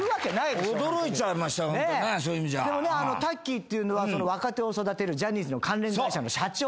でもねタッキーっていうのは若手を育てるジャニーズの関連会社の社長をね。